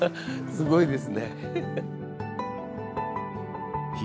すごいですね。